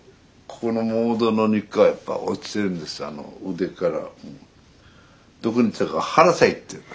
腕から。